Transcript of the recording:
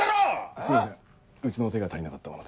すいませんうちの手が足りなかったもので。